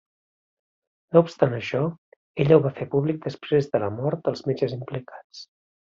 No obstant això, ella ho va fer públic després de la mort dels metges implicats.